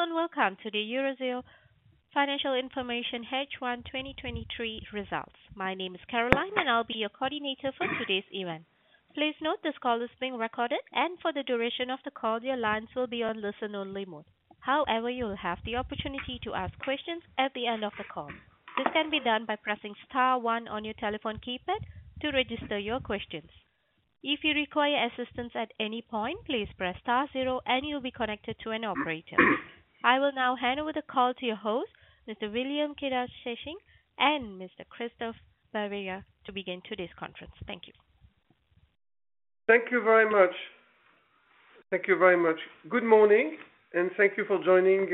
Hello and welcome to the Eurazeo Financial Information H1 2023 results. My name is Caroline, and I'll be your coordinator for today's event. Please note this call is being recorded, and for the duration of the call, your lines will be on listen-only mode. However, you'll have the opportunity to ask questions at the end of the call. This can be done by pressing star one on your telephone keypad to register your questions. If you require assistance at any point, please press star zero, and you'll be connected to an operator. I will now hand over the call to your host, Mr. William Kadouch-Chassaing and Mr. Christophe Bavière, to begin today's conference. Thank you. Thank you very much. Good morning, thank you for joining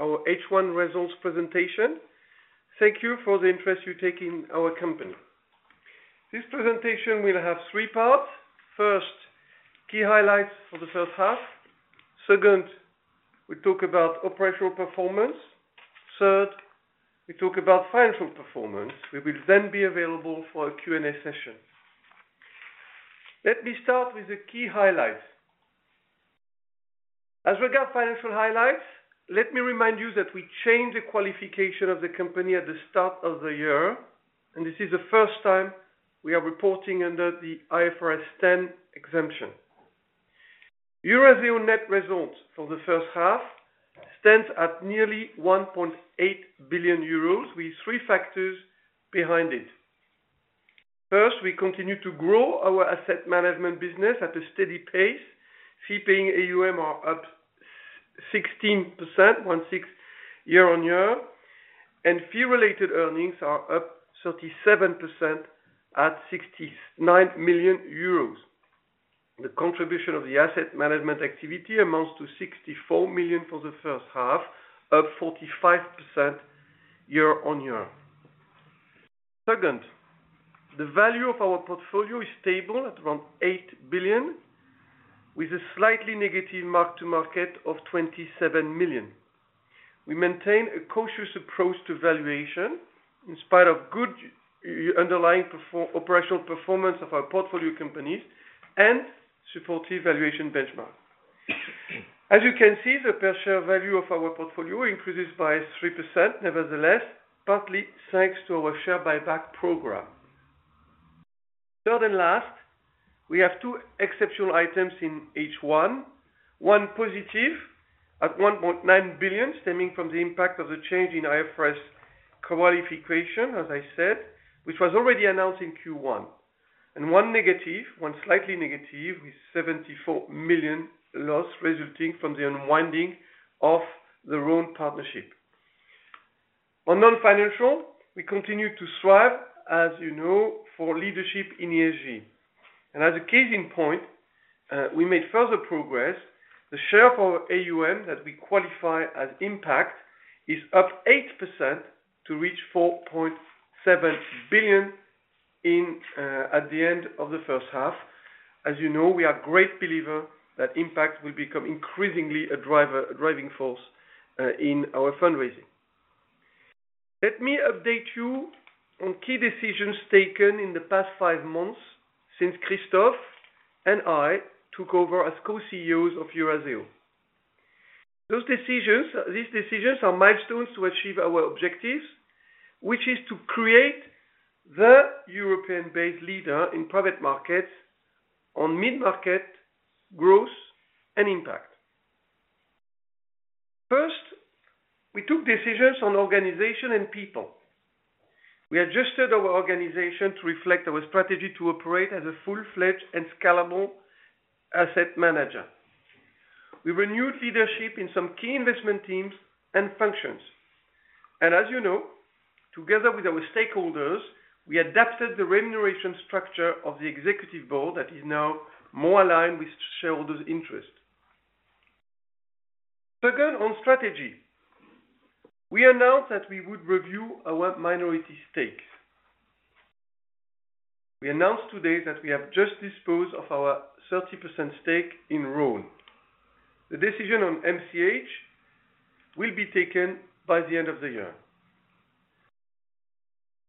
our H1 results presentation. Thank you for the interest you take in our company. This presentation will have three parts. First, key highlights for the first half. Second, we talk about operational performance. Third, we talk about financial performance. We will be available for a Q&A session. Let me start with the key highlights. As regards financial highlights, let me remind you that we changed the qualification of the company at the start of the year. This is the first time we are reporting under the IFRS 10 exemption. Eurazeo net results for the first half stands at nearly 1.8 billion euros, with three factors behind it. First, we continue to grow our asset management business at a steady pace, Fee-Paying AUM are up 16%, 1 6, year-on-year, and Fee-Related Earnings are up 37% at 69 million euros. The contribution of the asset management activity amounts to 64 million for the first half, up 45% year-on-year. Second, the value of our portfolio is stable at around 8 billion, with a slightly negative mark to market of 27 million. We maintain a cautious approach to valuation in spite of good Operational performance of our portfolio companies and supportive valuation benchmark. As you can see, the per share value of our portfolio increases by 3%, nevertheless, partly thanks to our share buyback program. Third and last, we have two exceptional items in H1. One positive at 1.9 billion, stemming from the impact of the change in IFRS qualification, as I said, which was already announced in Q1. One negative, one slightly negative, with 74 million loss resulting from the unwinding of the Rhône partnership. On non-financial, we continue to strive, as you know, for leadership in ESG, and as a case in point, we made further progress. The share of our AUM that we qualify as impact is up 8% to reach 4.7 billion at the end of the first half. As you know, we are great believer that impact will become increasingly a driving force in our fundraising. Let me update you on key decisions taken in the past five months since Christophe and I took over as co-CEOs of Eurazeo. These decisions are milestones to achieve our objectives, which is to create the European-based leader in private markets on mid-market growth and impact. First, we took decisions on organization and people. We adjusted our organization to reflect our strategy to operate as a full-fledged and scalable asset manager. As you know, together with our stakeholders, we adapted the remuneration structure of the executive board that is now more aligned with shareholders' interest. Second, on strategy, we announced that we would review our minority stake. We announced today that we have just disposed of our 30% stake in Rhône. The decision on MCH will be taken by the end of the year.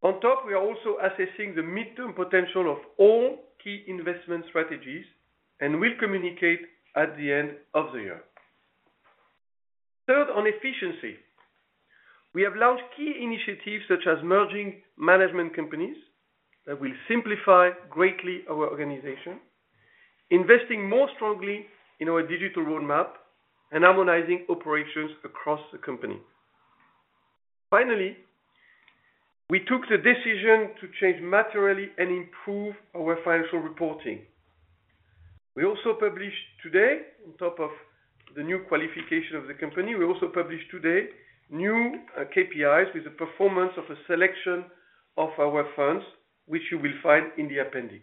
On top, we are also assessing the midterm potential of all key investment strategies and will communicate at the end of the year. Third, on efficiency, we have launched key initiatives such as merging management companies that will simplify greatly our organization, investing more strongly in our digital roadmap, and harmonizing operations across the company. Finally, we took the decision to change materially and improve our financial reporting. On top of the new qualification of the company, we also published today, new KPIs with the performance of a selection of our funds, which you will find in the appendix.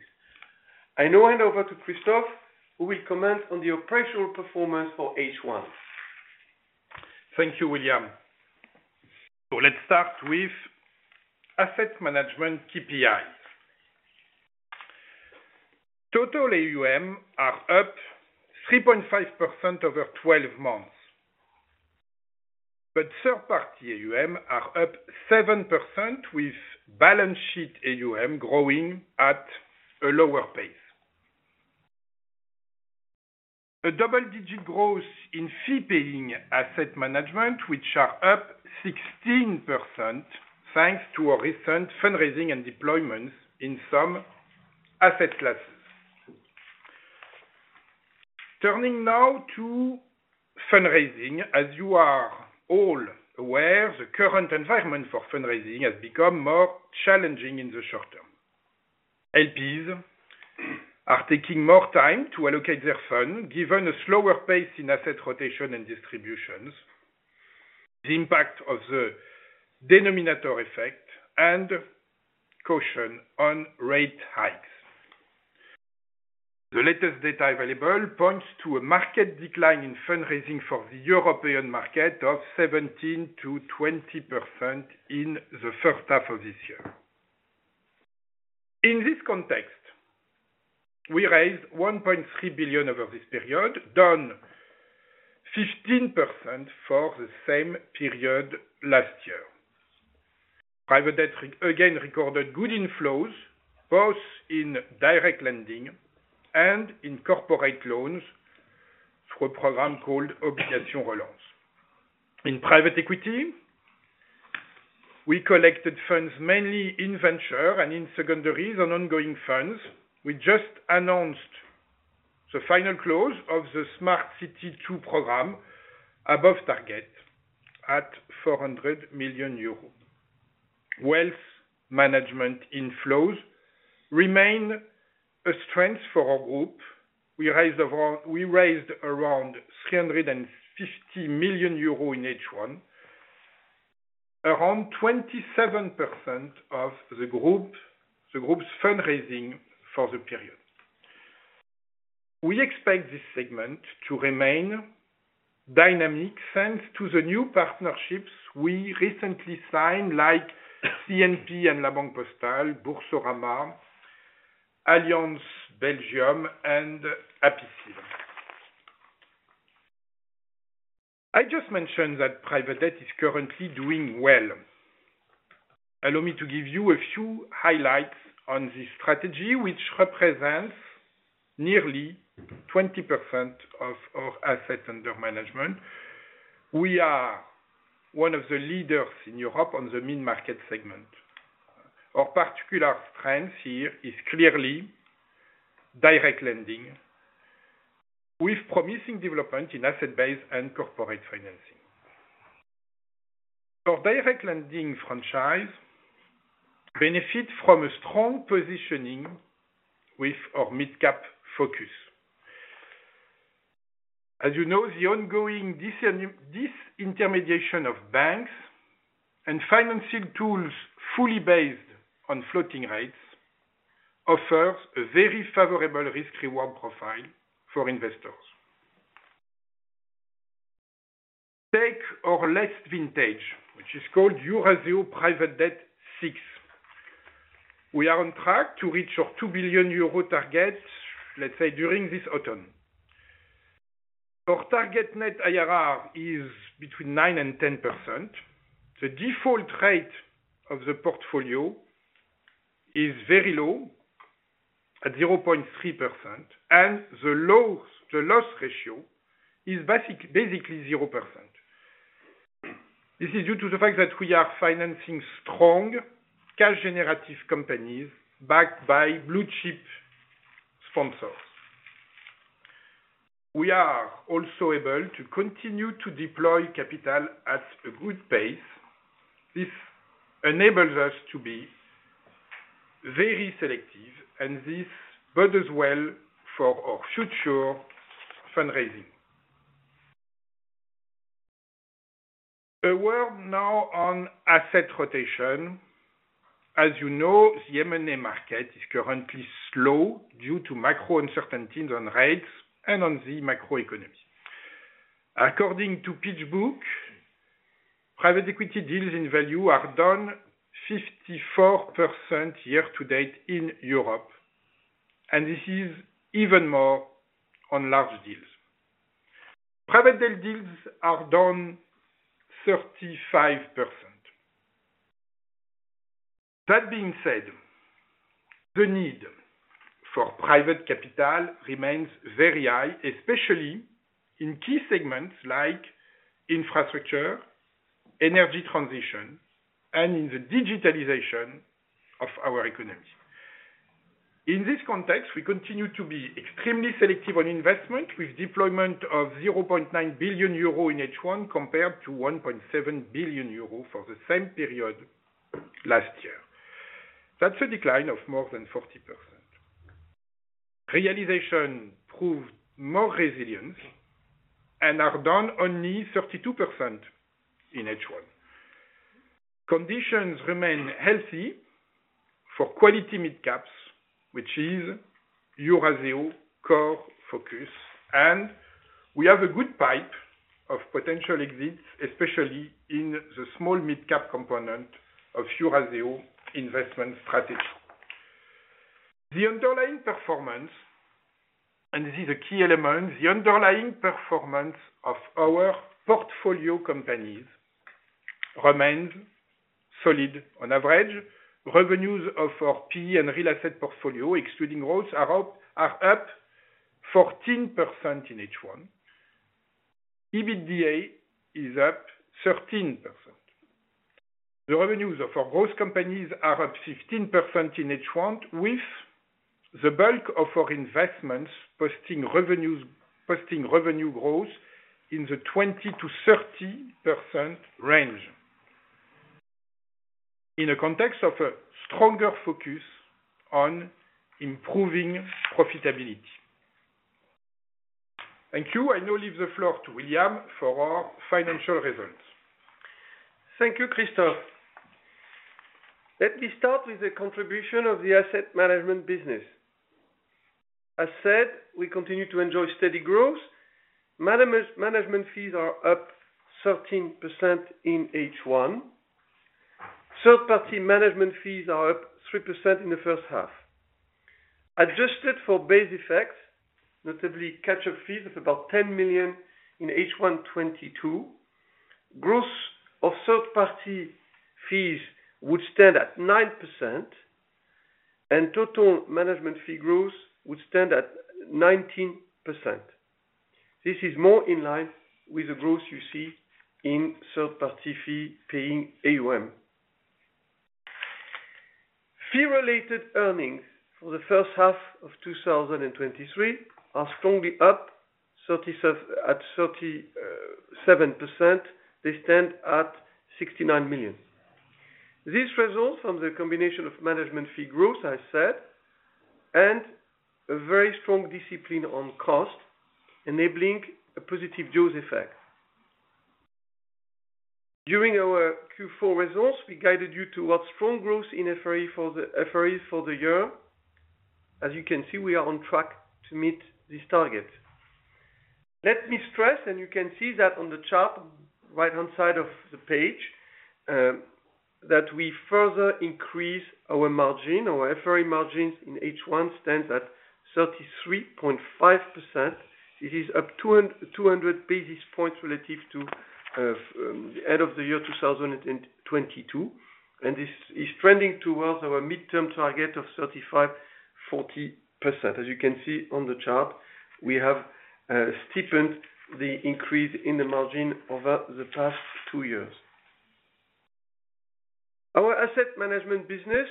I now hand over to Christophe, who will comment on the operational performance for H1. Thank you, William. Let's start with asset management KPI. Total AUM are up 3.5% over 12 months, but third party AUM are up 7%, with balance sheet AUM growing at a lower pace. A double-digit growth in fee-paying asset management, which are up 16%, thanks to our recent fundraising and deployments in some asset classes. Turning now to fundraising, as you are all aware, the current environment for fundraising has become more challenging in the short term. LPs are taking more time to allocate their fund, given a slower pace in asset rotation and distributions, the impact of the denominator effect, and caution on rate hikes. The latest data available points to a market decline in fundraising for the European market of 17%-20% in the first half of this year. In this context, we raised 1.3 billion over this period, down 15% for the same period last year. Private debt again, recorded good inflows, both in direct lending and in corporate loans through a program called Obligations Relance. In private equity, we collected funds mainly in venture and in secondaries on ongoing funds. We just announced the final close of the Smart City II program above target at 400 million euros. Wealth management inflows remain a strength for our group. We raised around 350 million euros in H1, around 27% of the group's fundraising for the period. We expect this segment to remain dynamic, thanks to the new partnerships we recently signed, like CNP and La Banque Postale, Boursorama, Allianz, Belgium, and Apicil. I just mentioned that private debt is currently doing well. Allow me to give you a few highlights on this strategy, which represents nearly 20% of our assets under management. We are one of the leaders in Europe on the mid-market segment. Our particular strength here is clearly direct lending, with promising development in asset base and corporate financing. Our direct lending franchise benefit from a strong positioning with our midcap focus. As you know, the ongoing disintermediation of banks and financing tools fully based on floating rates, offers a very favorable risk-reward profile for investors. Take our last vintage, which is called Eurazeo Private Debt VI. We are on track to reach our 2 billion euro target, let's say, during this autumn. Our target net IRR is between 9% and 10%. The default rate of the portfolio is very low, at 0.3%, and the loss ratio is basically 0%. This is due to the fact that we are financing strong, cash-generative companies backed by blue-chip sponsors. We are also able to continue to deploy capital at a good pace. This enables us to be very selective, and this bodes well for our future fundraising. A word now on asset rotation. As you know, the M&A market is currently slow due to macro uncertainties on rates and on the macroeconomy. According to PitchBook, private equity deals in value are down 54% year to date in Europe, and this is even more on large deals. Private deals are down 35%. That being said, the need for private capital remains very high, especially in key segments like infrastructure, energy transition, and in the digitalization of our economy. In this context, we continue to be extremely selective on investment, with deployment of 0.9 billion euro in H1, compared to 1.7 billion euro for the same period last year. That's a decline of more than 40%. Realization proved more resilient, and are down only 32% in H1. Conditions remain healthy for quality midcaps, which is Eurazeo core focus, and we have a good pipe of potential exits, especially in the small midcap component of Eurazeo investment strategy. The underlying performance, and this is a key element, the underlying performance of our portfolio companies remains solid on average. Revenues of our PE and real asset portfolio, excluding growth, are up 14% in H1. EBITDA is up 13%. The revenues of our growth companies are up 15% in H1, with the bulk of our investments posting revenue growth in the 20%-30% range. In a context of a stronger focus on improving profitability. Thank you. I now leave the floor to William for our financial results. Thank you, Christophe. Let me start with the contribution of the asset management business. As said, we continue to enjoy steady growth. Management fees are up 13% in H1. Third-party management fees are up 3% in the first half. Adjusted for base effects, notably catch-up fees of about 10 million in H1 2022, growth of third-party fees would stand at 9%, and total management fee growth would stand at 19%. This is more in line with the growth you see in third-party Fee-Paying AUM. Fee-Related Earnings for the first half of 2023 are strongly up at 37%. They stand at 69 million. This results from the combination of management fee growth, I said, and a very strong discipline on cost, enabling a positive jaws effect. During our Q4 results, we guided you towards strong growth in FRE for the year. As you can see, we are on track to meet this target. Let me stress, and you can see that on the chart, right-hand side of the page, that we further increase our margin. Our FRE margins in H1 stands at 33.5%. It is up 200 basis points relative to end of the year 2022, and this is trending towards our midterm target of 35%-40%. As you can see on the chart, we have steepened the increase in the margin over the past two years. Our asset management business,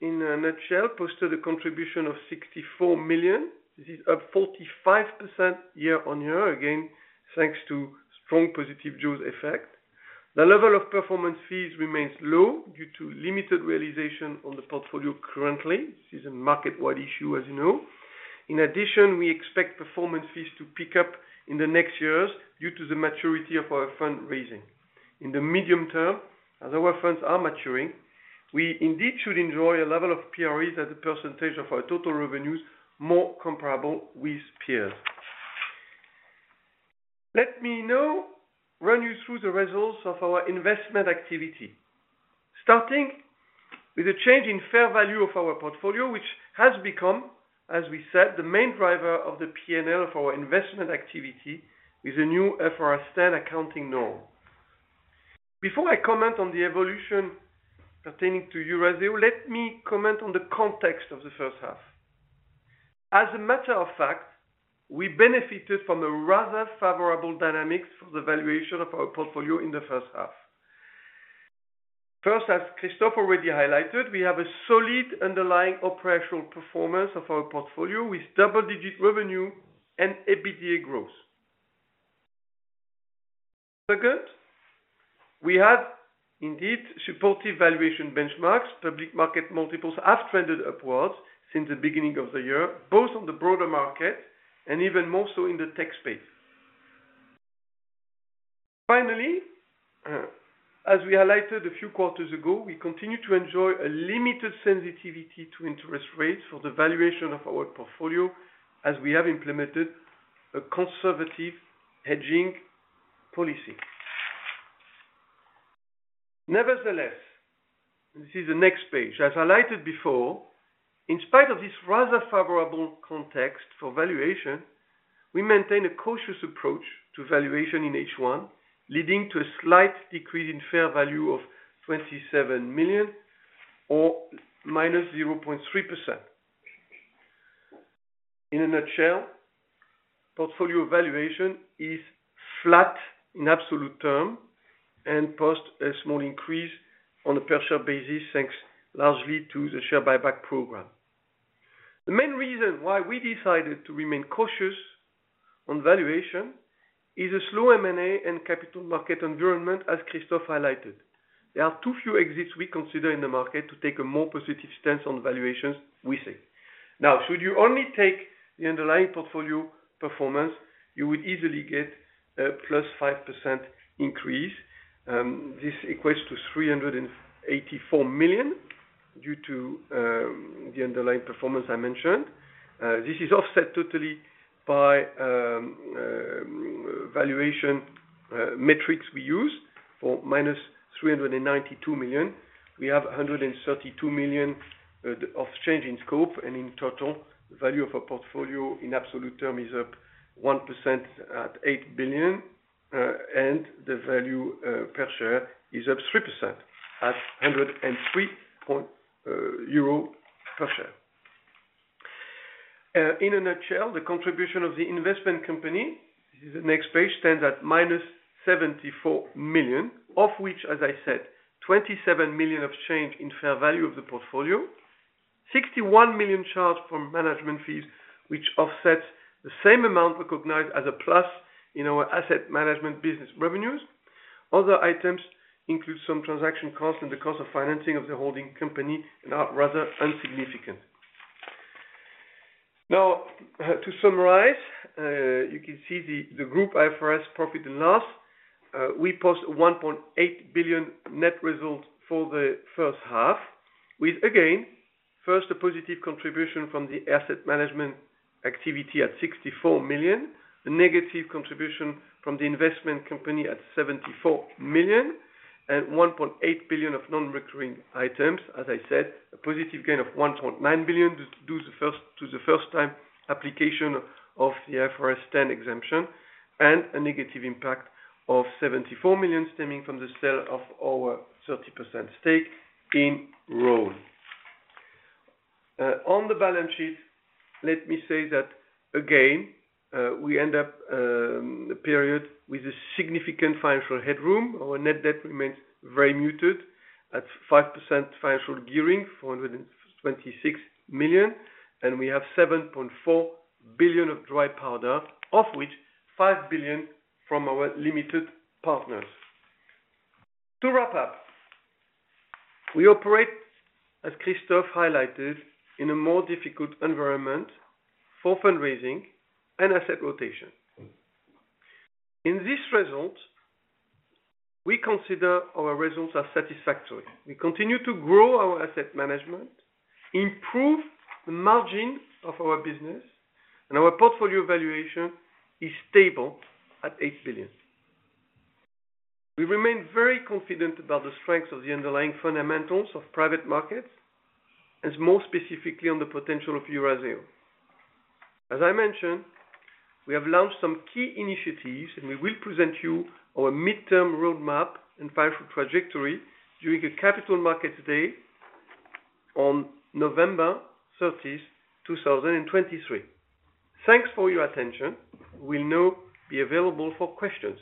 in a nutshell, posted a contribution of 64 million. This is up 45% year-over-year, again, thanks to strong positive jaws effect. The level of performance fees remains low due to limited realization on the portfolio currently. This is a market-wide issue, as you know. In addition, we expect performance fees to pick up in the next years due to the maturity of our fundraising. In the medium term, as our funds are maturing, we indeed should enjoy a level of PRE as a percentage of our total revenues, more comparable with peers. Let me now run you through the results of our investment activity. Starting with a change in fair value of our portfolio, which has become, as we said, the main driver of the PNL of our investment activity, with the new IFRS 10 accounting norm. Before I comment on the evolution pertaining to Eurazeo, let me comment on the context of the first half. As a matter of fact, we benefited from a rather favorable dynamics for the valuation of our portfolio in the first half. First, as Christophe already highlighted, we have a solid underlying operational performance of our portfolio, with double-digit revenue and EBITDA growth. Second, we have indeed supportive valuation benchmarks. Public market multiples have trended upwards since the beginning of the year, both on the broader market and even more so in the tech space. As we highlighted a few quarters ago, we continue to enjoy a limited sensitivity to interest rates for the valuation of our portfolio, as we have implemented a conservative hedging policy. This is the next page. As highlighted before, in spite of this rather favorable context for valuation, we maintain a cautious approach to valuation in H1, leading to a slight decrease in fair value of 27 million or minus 0.3%. In a nutshell, portfolio valuation is flat in absolute term and post a small increase on a per share basis, thanks largely to the share buyback program. The main reason why we decided to remain cautious on valuation is a slow M&A and capital market environment, as Christophe highlighted. There are too few exits we consider in the market to take a more positive stance on valuations we see. Should you only take the underlying portfolio performance, you would easily get a 5% increase. This equates to 384 million due to the underlying performance I mentioned. This is offset totally by valuation metrics we use for minus 392 million. We have 132 million of change in scope, and in total, the value of our portfolio in absolute term is up 1% at 8 billion. The value per share is up 3% at 103 euro per share. In a nutshell, the contribution of the investment company, this is the next page, stands at minus 74 million, of which, as I said, 27 million of change in fair value of the portfolio. 61 million charged from management fees, which offsets the same amount recognized as a plus in our asset management business revenues. Other items include some transaction costs and the cost of financing of the holding company, and are rather insignificant. To summarize, you can see the group IFRS profit and loss. We post a 1.8 billion net result for the first half, with again, first, a positive contribution from the asset management activity at 64 million, a negative contribution from the investment company at 74 million, and 1.8 billion of non-recurring items. As I said, a positive gain of 1.9 billion, due to the first time application of the IFRS 10 exemption, and a negative impact of 74 million stemming from the sale of our 30% stake in Rhône. On the balance sheet, let me say that again, we end up the period with a significant financial headroom. Our net debt remains very muted at 5% financial gearing, 426 million, and we have 7.4 billion of dry powder, of which 5 billion from our limited partners. To wrap up, we operate, as Christophe highlighted, in a more difficult environment for fundraising and asset rotation. In this result, we consider our results are satisfactory. We continue to grow our asset management, improve the margin of our business, and our portfolio valuation is stable at 8 billion. We remain very confident about the strength of the underlying fundamentals of private markets, and more specifically on the potential of Eurazeo. As I mentioned, we have launched some key initiatives, and we will present you our midterm roadmap and financial trajectory during a Capital Markets Day on November 30, 2023. Thanks for your attention. We'll now be available for questions.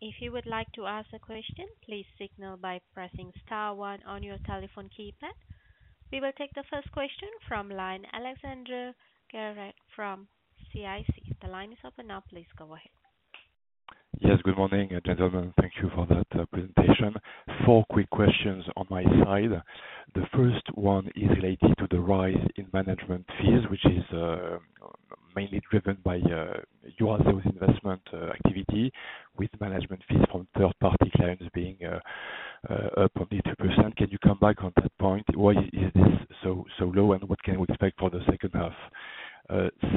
If you would like to ask a question, please signal by pressing star one on your telephone keypad. We will take the first question from line, Alexandre Gérard from CIC. The line is open now, please go ahead. Yes, good morning, gentlemen. Thank you for that presentation. Four quick questions on my side. The first one is related to the rise in management fees, which is mainly driven by your investment activity with management fees from third-party clients being up only 2%. Can you come back on that point? Why is this so low, and what can we expect for the second half?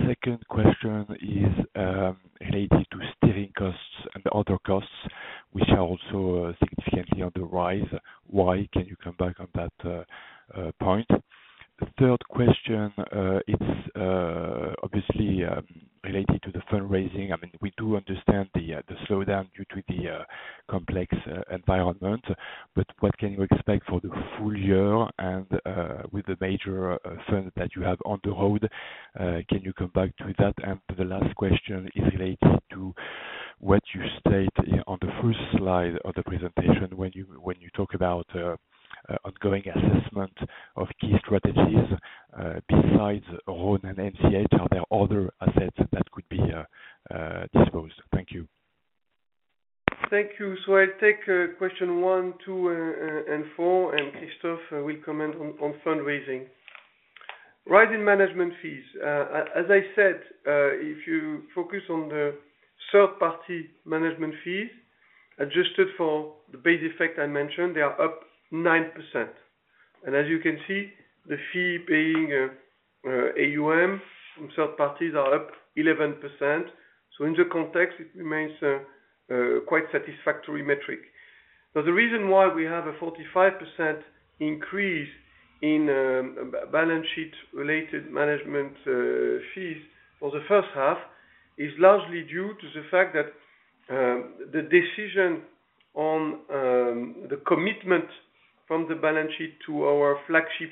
Second question is related to steering costs and other costs, which are also significantly on the rise. Why? Can you come back on that point? The third question, it's obviously related to the fundraising. I mean, we do understand the slowdown due to the complex environment, but what can you expect for the full year and with the major fund that you have on the road? Can you come back to that? The last question is related to what you stated on the first slide of the presentation when you talk about ongoing assessment of key strategies, besides Rhône and MCH, are there other assets that could be disposed? Thank you. Thank you. I'll take question 1, 2, and 4, and Christophe will comment on fundraising. Rise in management fees. As I said, if you focus on the third-party management fees, adjusted for the base effect I mentioned, they are up 9%. As you can see, the Fee-Paying AUM from third parties are up 11%. In the context, it remains a quite satisfactory metric. Now, the reason why we have a 45% increase in balance sheet-related management fees for the first half, is largely due to the fact that the decision on the commitment from the balance sheet to our flagship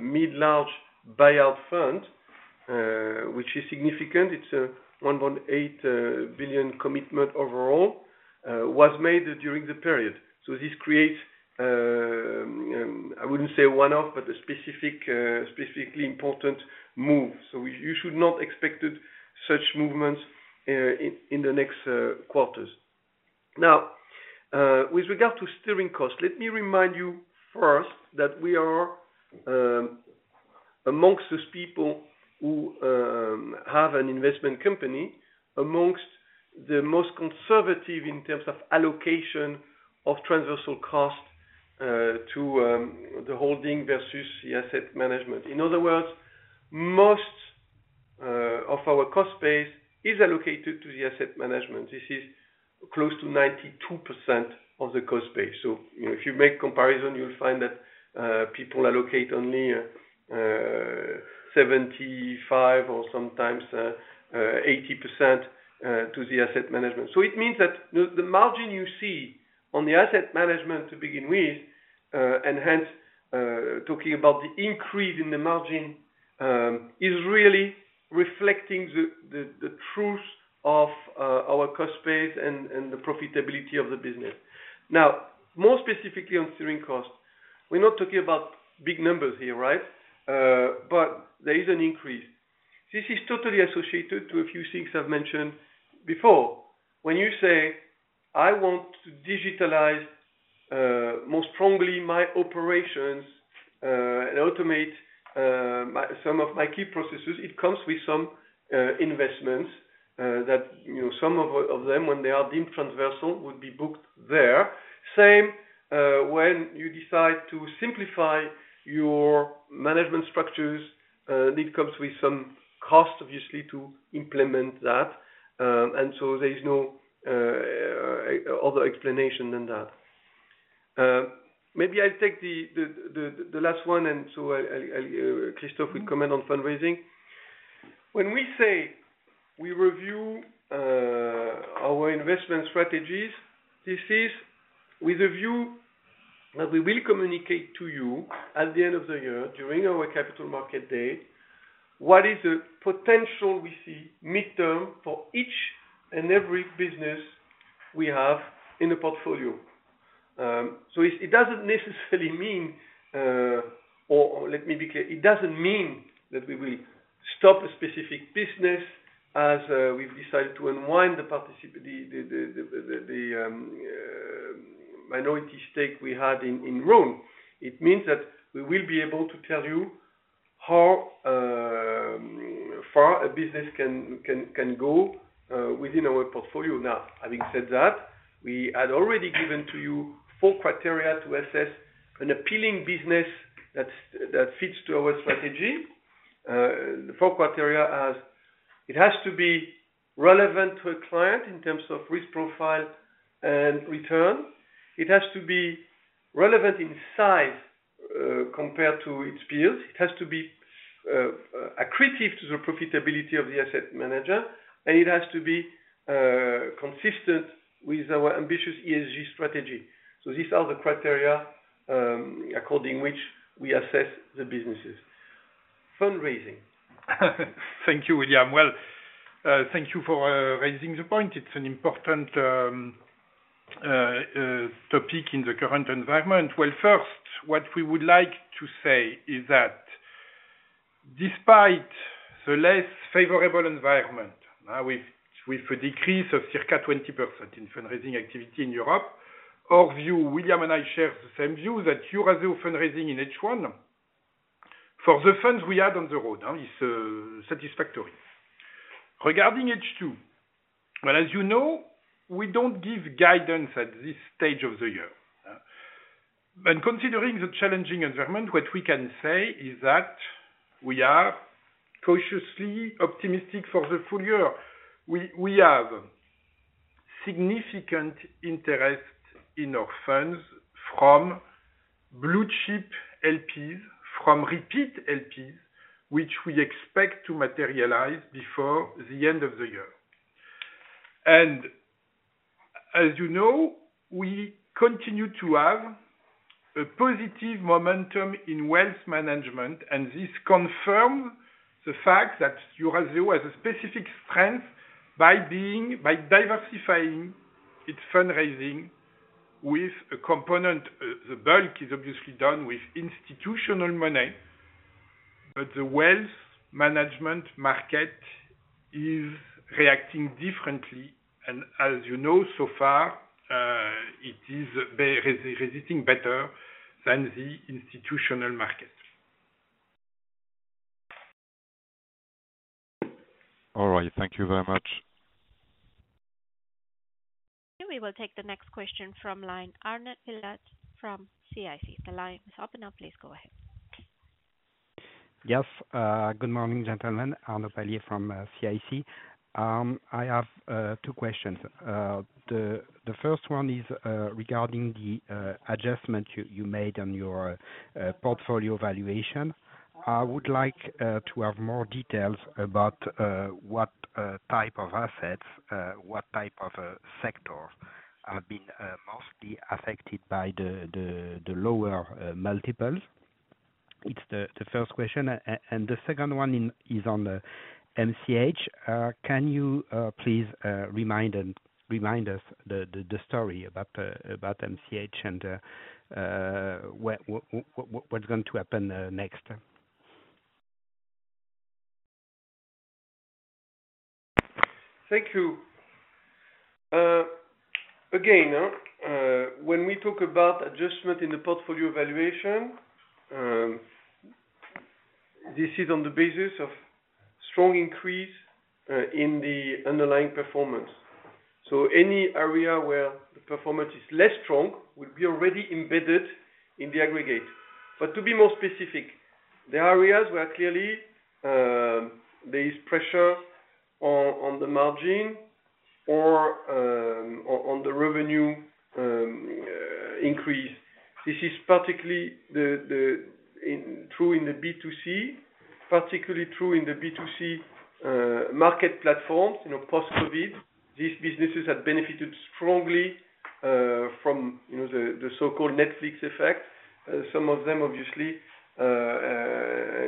mid-large buyout fund, which is significant, it's a 1.8 billion commitment overall, was made during the period. This creates, I wouldn't say one-off, but a specific, specifically important move. You should not expect such movements in the next quarters. With regard to steering costs, let me remind you first, that we are amongst those people who have an investment company, amongst the most conservative in terms of allocation of transversal costs to the holding versus the asset management. In other words, most of our cost base is allocated to the asset management. This is close to 92% of the cost base. You know, if you make comparison, you'll find that people allocate only 75% or sometimes 80% to the asset management. It means that the margin you see on the asset management to begin with, and hence, talking about the increase in the margin, is really reflecting the truth of our cost base and the profitability of the business. More specifically on steering costs, we're not talking about big numbers here, right? There is an increase. This is totally associated to a few things I've mentioned before. When you say, "I want to digitalize more strongly my operations and automate some of my key processes," it comes with some investments that, you know, some of them, when they are deemed transversal, would be booked there. Same, when you decide to simplify your management structures, it comes with some cost, obviously, to implement that. There is no other explanation than that. Maybe I'll take the last one, I Christophe will comment on fundraising. When we say we review our investment strategies, this is with a view that we will communicate to you at the end of the year, during our capital market day, what is the potential we see midterm for each and every business we have in the portfolio. It doesn't necessarily mean, or let me be clear, it doesn't mean that we will stop a specific business as we've decided to unwind the minority stake we had in Rhône. It means that we will be able to tell you how far a business can go within our portfolio. Having said that, we had already given to you 4 criteria to assess an appealing business that fits to our strategy. The 4 criteria are: it has to be relevant to a client in terms of risk profile and return, it has to be relevant in size compared to its peers, it has to be accretive to the profitability of the asset manager, and it has to be consistent with our ambitious ESG strategy. These are the criteria according which we assess the businesses. Fundraising. Thank you, William. Well, thank you for raising the point. It's an important topic in the current environment. Well, first, what we would like to say is that despite the less favorable environment, now with a decrease of circa 20% in fundraising activity in Europe, our view, William and I share the same view, that Eurazeo fundraising in H1 for the funds we had on the road is satisfactory. Regarding H2, well, as you know, we don't give guidance at this stage of the year. Considering the challenging environment, what we can say is that we are cautiously optimistic for the full year. We have significant interest in our funds from blue-chip LPs, from repeat LPs, which we expect to materialize before the end of the year. As you know, we continue to have a positive momentum in wealth management. This confirms the fact that Eurazeo has a specific strength by diversifying its fundraising with a component. The bulk is obviously done with institutional money. The wealth management market is reacting differently, and as you know, so far, it is resisting better than the institutional market. All right. Thank you very much. We will take the next question from line, Arnaud Palliez from CIC. The line is open now, please go ahead. Yes. Good morning, gentlemen, Arnaud Palliez from CIC. I have two questions. The first one is regarding the adjustment you made on your portfolio valuation. I would like to have more details about what type of assets, what type of sector have been mostly affected by the lower multiples. It's the first question. The second one in, is on MCH. Can you please remind us the story about MCH and what's going to happen next? Thank you. Again, when we talk about adjustment in the portfolio valuation, this is on the basis of strong increase in the underlying performance. Any area where the performance is less strong, will be already embedded in the aggregate. To be more specific. The areas where clearly there is pressure on the margin or on the revenue increase. This is particularly true in the B2C, particularly true in the B2C market platforms, you know, post-COVID. These businesses have benefited strongly from, you know, the so-called Netflix effect. Some of them obviously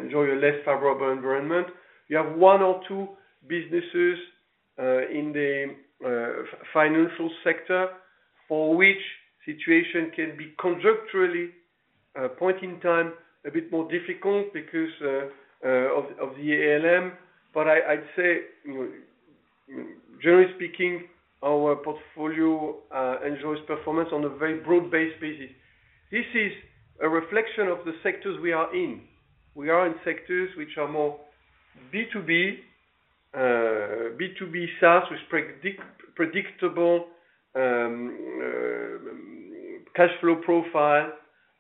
enjoy a less favorable environment. We have one or two businesses in the financial sector, for which situation can be conjecturally, point in time, a bit more difficult because of the ALM. I'd say, you know, generally speaking, our portfolio enjoys performance on a very broad-based basis. This is a reflection of the sectors we are in. We are in sectors which are more B2B SaaS, which predictable cash flow profile.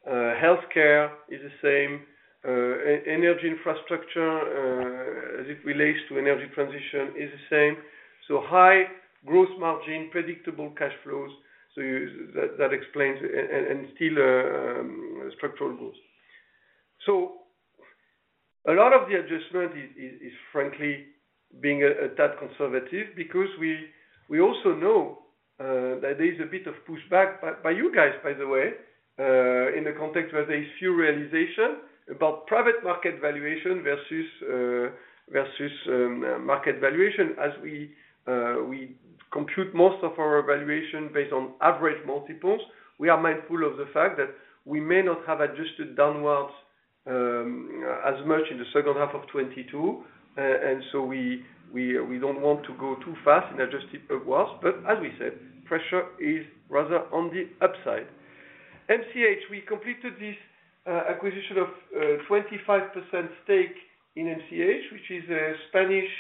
Healthcare is the same. Energy infrastructure, as it relates to energy transition, is the same. High growth margin, predictable cash flows, so that explains and still structural growth. A lot of the adjustment is frankly being a tad conservative, because we also know that there's a bit of pushback by you guys, by the way, in the context where there's few realization about private market valuation versus market valuation. As we compute most of our valuation based on average multiples, we are mindful of the fact that we may not have adjusted downwards as much in the second half of 2022. We don't want to go too fast and adjust it upwards. As we said, pressure is rather on the upside. MCH, we completed this acquisition of a 25% stake in MCH, which is a Spanish,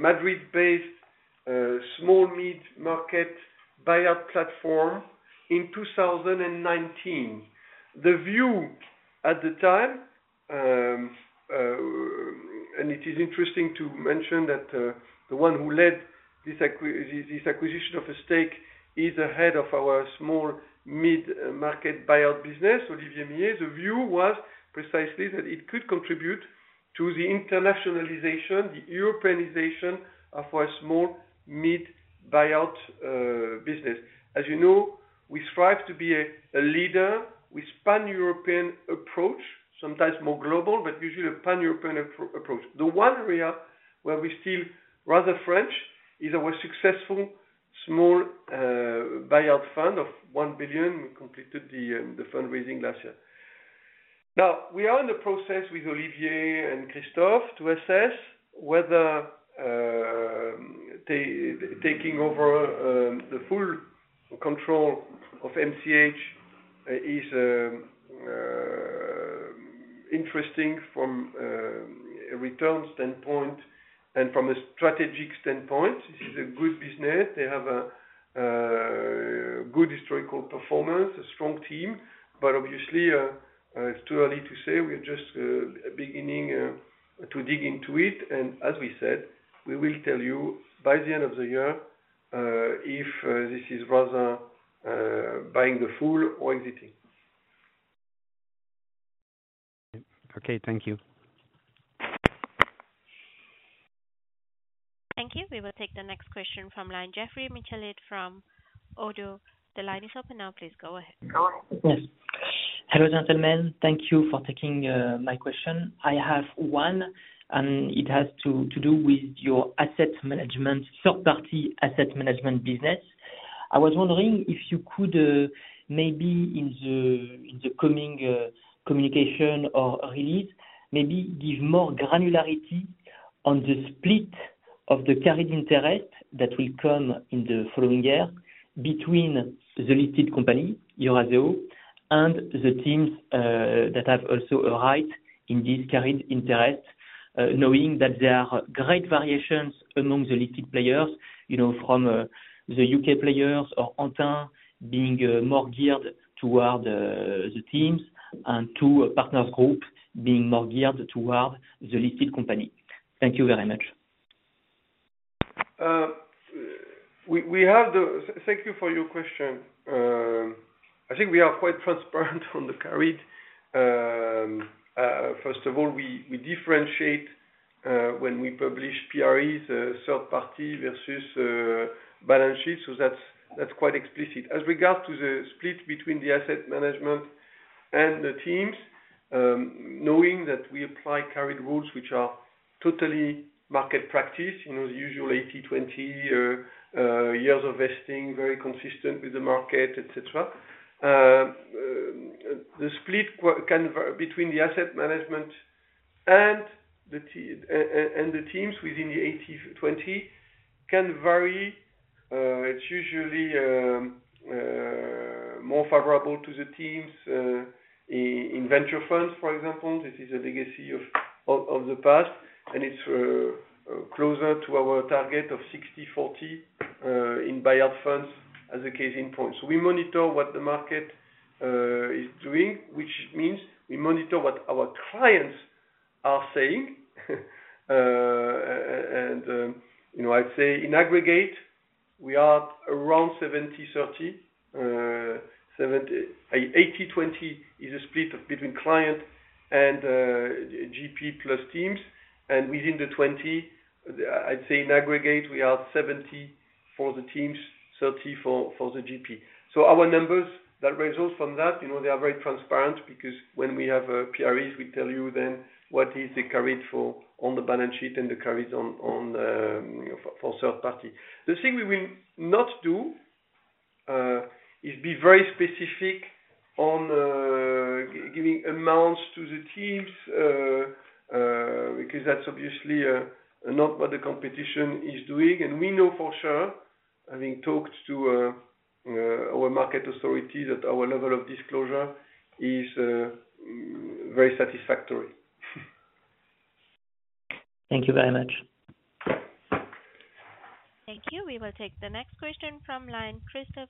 Madrid-based, small mid-market buyout platform in 2019. The view at the time. It is interesting to mention that the one who led this acquisition of a stake, is the head of our small mid-market buyout business, Olivier Millet. The view was precisely that it could contribute to the internationalization, the Europeanization of our small mid-buyout business. As you know, we strive to be a leader with pan-European approach, sometimes more global, but usually a pan-European approach. The one area where we're still rather French, is our successful small buyout fund of 1 billion. We completed the fundraising last year. We are in the process with Olivier and Christophe to assess whether taking over the full control of MCH is interesting from a return standpoint and from a strategic standpoint. This is a good business. They have a good historical performance, a strong team, but obviously, it's too early to say. We are just beginning to dig into it. As we said, we will tell you by the end of the year if this is rather buying the full or exiting. Okay. Thank you. Thank you. We will take the next question from line, Geoffroy Michalet from Oddo. The line is open now, please go ahead. Go ahead. Yes. Hello, gentlemen. Thank you for taking my question. I have one, and it has to do with your asset management, third-party asset management business. I was wondering if you could maybe in the coming communication or release, maybe give more granularity on the split of the carried interest that will come in the following year between the listed company, Eurazeo, and the teams that have also a right in this carried interest, knowing that there are great variations among the listed players, you know, from the U.K. players or Antin being more geared toward the teams, and to Partners Group being more geared toward the listed company. Thank you very much. Thank you for your question. I think we are quite transparent on the carried. First of all, we differentiate when we publish PRE, third party versus balance sheet, so that's quite explicit. As regard to the split between the asset management and the teams, knowing that we apply carried rules, which are totally market practice, you know, the usual 80, 20 years of vesting, very consistent with the market, et cetera. The split can, between the asset management and the teams within the 80, 20 can vary. It's usually more favorable to the teams in venture funds, for example. This is a legacy of. of the past, and it's closer to our target of 60/40 in buyout funds as a casing point. We monitor what the market is doing, which means we monitor what our clients are saying. You know, I'd say in aggregate, we are around 70/30. 80/20 is a split of between client and GP plus teams. Within the 20, I'd say in aggregate, we are 70 for the teams, 30 for the GP. Our numbers that result from that, you know, they are very transparent because when we have a PRE, we tell you then what is the carried for on the balance sheet and the carried on for third party. The thing we will not do, is be very specific on giving amounts to the teams, because that's obviously, not what the competition is doing. We know for sure, having talked to our market authority, that our level of disclosure is very satisfactory. Thank you very much. Thank you. We will take the next question from line, Christoph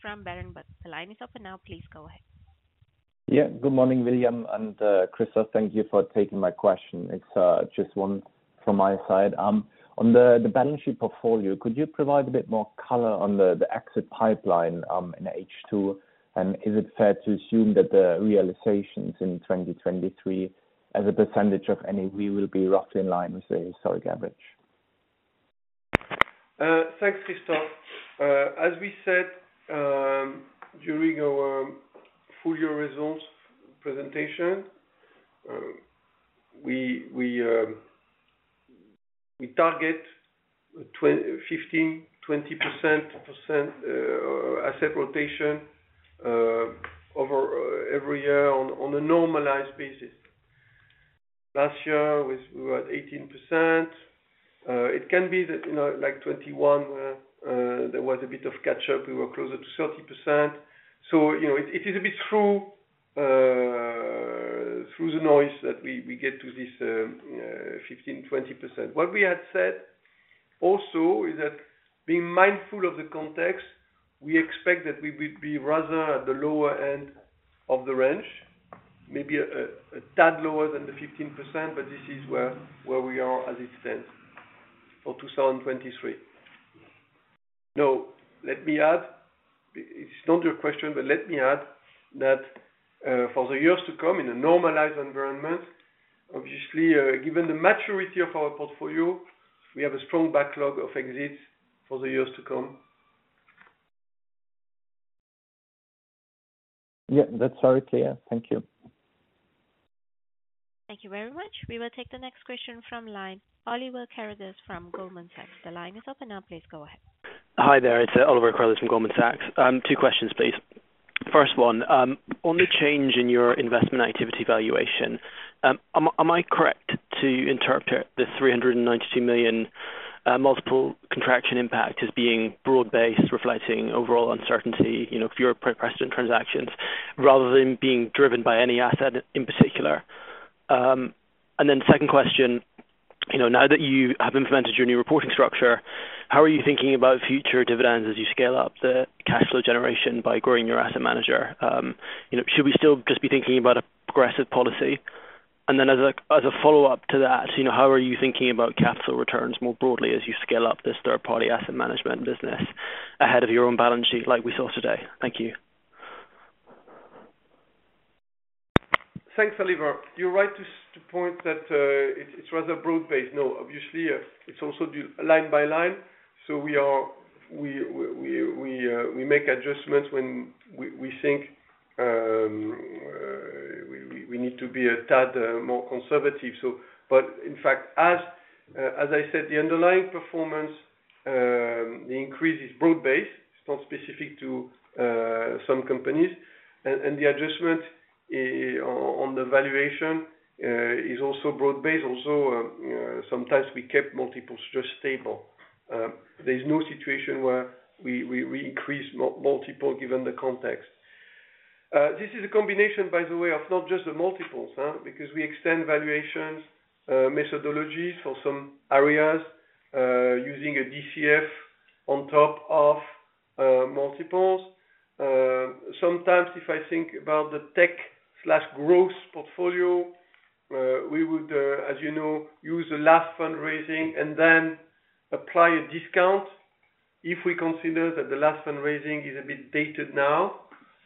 from Berenberg Bank. The line is open now, please go ahead. Good morning, William and Christoph, thank you for taking my question. It's just one from my side. On the balance sheet portfolio, could you provide a bit more color on the exit pipeline in H2? Is it fair to assume that the realizations in 2023, as a % of AUM, will be roughly in line with the historic average? Thanks, Christoph. As we said, during our full year results presentation, we target 15%-20% asset rotation every year on a normalized basis. Last year, we were at 18%. It can be that, you know, like 2021, there was a bit of catch up. We were closer to 30%. You know, it is a bit through the noise that we get to this 15%-20%. What we had said also is that being mindful of the context, we expect that we will be rather at the lower end of the range, maybe a tad lower than the 15%, but this is where we are as it stands for 2023. Let me add, it's not your question, but let me add that, for the years to come in a normalized environment, obviously, given the maturity of our portfolio, we have a strong backlog of exits for the years to come. Yeah, that's very clear. Thank you. Thank you very much. We will take the next question from line. Oliver Carruthers from Goldman Sachs. The line is open now, please go ahead. Hi there, it's Oliver Carruthers from Goldman Sachs. Two questions, please. First one, on the change in your investment activity valuation, am I correct to interpret the 392 million multiple contraction impact as being broad-based, reflecting overall uncertainty, you know, fewer precedent transactions, rather than being driven by any asset in particular? Second question, you know, now that you have implemented your new reporting structure, how are you thinking about future dividends as you scale up the cash flow generation by growing your asset manager? You know, should we still just be thinking about a progressive policy? As a follow-up to that, you know, how are you thinking about cash flow returns more broadly as you scale up this third party asset management business ahead of your own balance sheet, like we saw today? Thank you. Thanks, Oliver. You're right to point that it's rather broad-based. Obviously, it's also due line by line, so we make adjustments when we think we need to be a tad more conservative. But in fact, as I said, the underlying performance, the increase is broad-based. It's not specific to some companies. The adjustment on the valuation is also broad-based. Also, sometimes we kept multiples just stable. There's no situation where we increase multiple given the context. This is a combination, by the way, of not just the multiples, huh, because we extend valuations methodologies for some areas, using a DCF on top of multiples. Sometimes if I think about the tech/growth portfolio, we would, as you know, use the last fundraising and then apply a discount if we consider that the last fundraising is a bit dated now.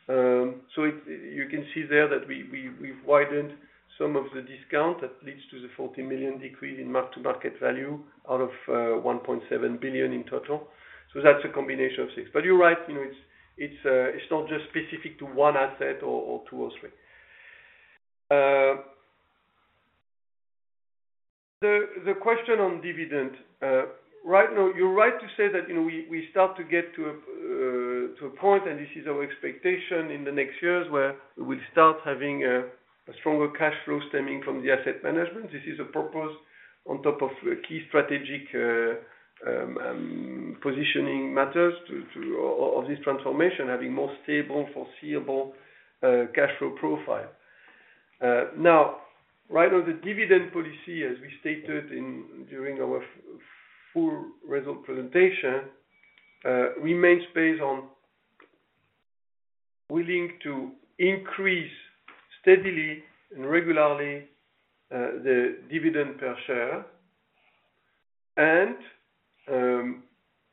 You can see there that we've widened some of the discount that leads to the 40 million decrease in mark-to-market value out of 1.7 billion in total. That's a combination of six. You're right, you know, it's not just specific to one asset or two or three. The question on dividend, right, no, you're right to say that, you know, we start to get to a point, and this is our expectation in the next years, where we start having a stronger cash flow stemming from the asset management. This is a purpose- on top of key strategic positioning matters to of this transformation, having more stable, foreseeable cash flow profile. Now, right on the dividend policy, as we stated in during our full result presentation, remains based on willing to increase steadily and regularly the dividend per share.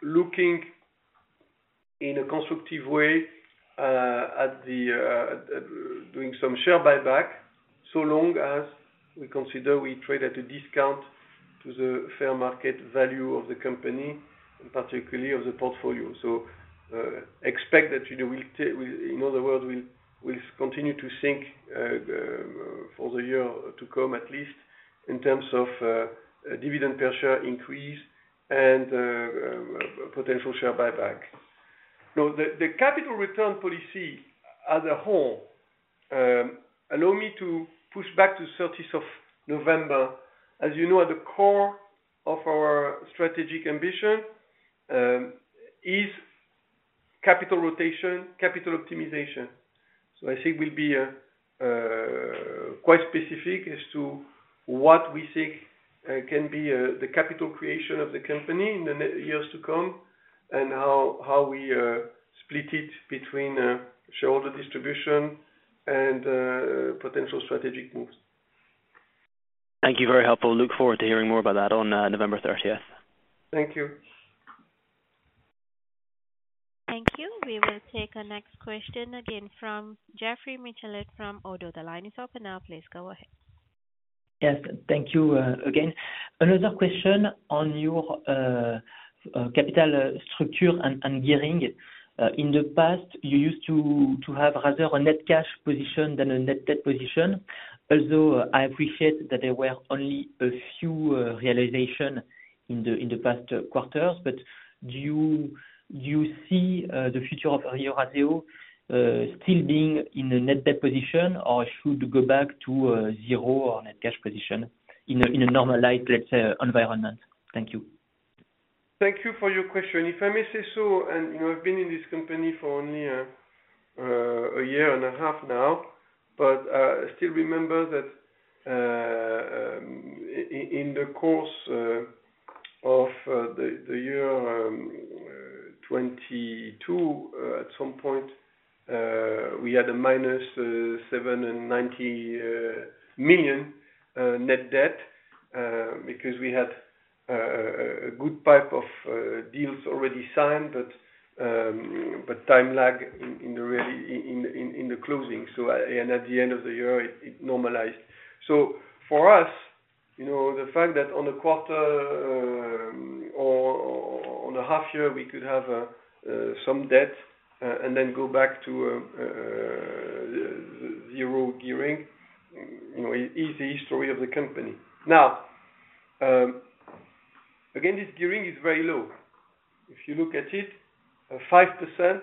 Looking in a constructive way at the doing some share buyback, so long as we consider we trade at a discount to the fair market value of the company, and particularly of the portfolio. Expect that, you know, we'll take, in other words, we'll continue to think for the year to come, at least in terms of dividend per share increase and potential share buyback. The capital return policy as a whole, allow me to push back to 30th of November. As you know, at the core of our strategic ambition, is capital rotation, capital optimization. I think we'll be quite specific as to what we think can be the capital creation of the company in the years to come, and how we split it between shareholder distribution and potential strategic moves. Thank you. Very helpful. Look forward to hearing more about that on November 30th. Thank you. Thank you. We will take our next question again from Geoffroy Michalet from Oddo. The line is open now, please go ahead. Thank you again. Another question on your capital structure and gearing. In the past, you used to have rather a net cash position than a net debt position. Although I appreciate that there were only a few realizations in the past quarters, do you see the future of Eurazeo still being in a net debt position, or should go back to zero or net cash position in a normalized, let's say, environment? Thank you. Thank you for your question. If I may say so, and, you know, I've been in this company for only a year and a half now, but I still remember that in the course of the year 2022, at some point, we had a minus 790 million net debt. Because we had a good pipe of deals already signed, but time lag in the really, in the closing. At the end of the year, it normalized. For us, you know, the fact that on a quarter, or on a half year, we could have some debt and then go back to zero gearing, you know, is the history of the company. Again, this gearing is very low. If you look at it, 5%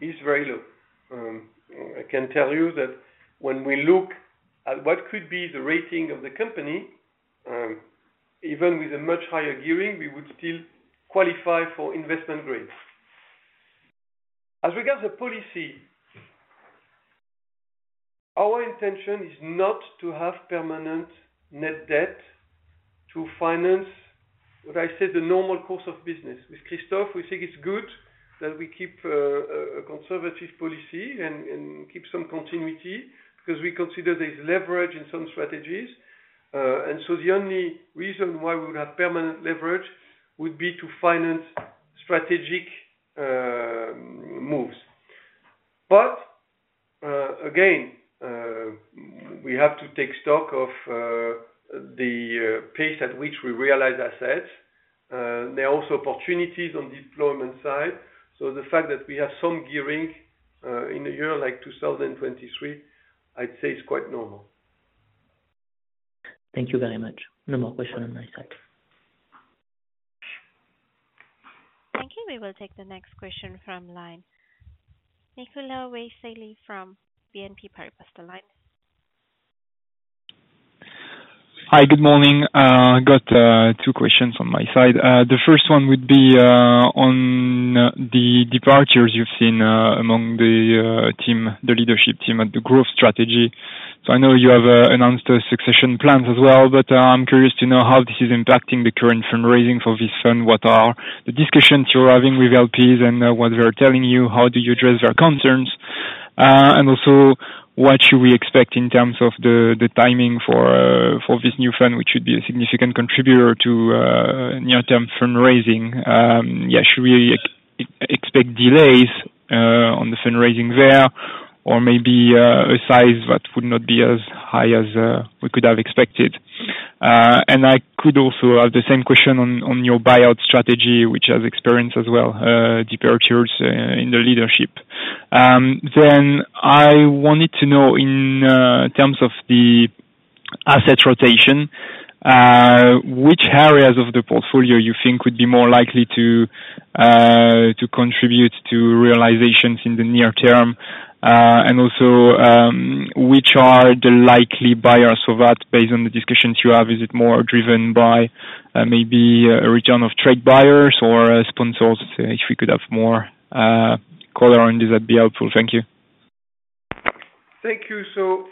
is very low. I can tell you that when we look at what could be the rating of the company, even with a much higher gearing, we would still qualify for investment grade. As regards to policy, our intention is not to have permanent net debt to finance, what I said, the normal course of business. With Christophe, we think it's good that we keep a conservative policy and keep some continuity, because we consider there's leverage in some strategies. The only reason why we would have permanent leverage would be to finance strategic moves. Again, we have to take stock of the pace at which we realize assets. There are also opportunities on deployment side. The fact that we have some gearing in a year like 2023, I'd say it's quite normal. Thank you very much. No more questions on my side. Thank you. We will take the next question from line. Nicolas Wyss from BNP Paribas, the line. Hi, good morning. I got two questions on my side. The first one would be on the departures you've seen among the team, the leadership team at the growth strategy. I know you have announced the succession plans as well, I'm curious to know how this is impacting the current fundraising for this fund. What are the discussions you're having with LPs and what they're telling you? How do you address their concerns? What should we expect in terms of the timing for this new fund, which should be a significant contributor to near-term fundraising? Should we expect delays on the fundraising there, or maybe a size that would not be as high as we could have expected? I could also have the same question on your buyout strategy, which has experienced as well, departures in the leadership. I wanted to know, in terms of the asset rotation, which areas of the portfolio you think would be more likely to contribute to realizations in the near term? Also, which are the likely buyers of that, based on the discussions you have, is it more driven by, maybe a return of trade buyers or sponsors? If we could have more color on this, that'd be helpful. Thank you. Thank you.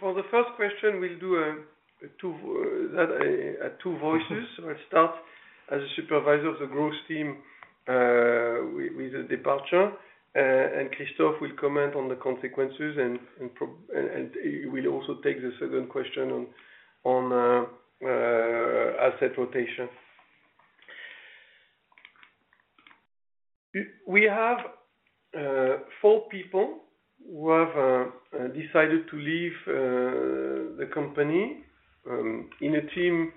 For the first question, we'll do two voices. I'll start as a supervisor of the growth team, with the departure, and Christophe will comment on the consequences and he will also take the second question on asset rotation. We have four people who have decided to leave the company, in a team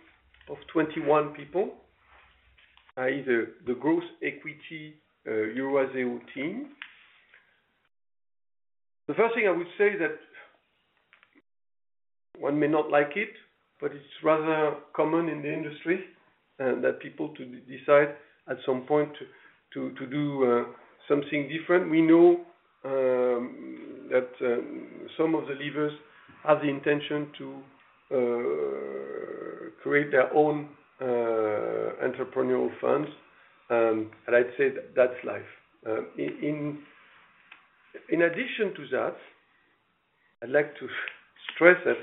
of 21 people, either the growth equity, Eurazeo team. The first thing I would say that one may not like it, but it's rather common in the industry, that people to decide at some point to do something different. We know that some of the leavers have the intention to create their own entrepreneurial funds, and I'd say that's life. In addition to that, I'd like to stress that